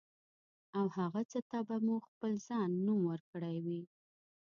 او هغه څه ته به مو خپل ځان نوم ورکړی وي.